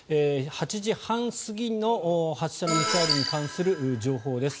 ８時半過ぎに発射のミサイルに関する情報です。